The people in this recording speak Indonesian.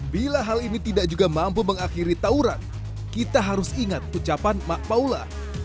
bila hal ini tidak juga mampu mengakhiri tawuran kita harus ingat ucapan mak paula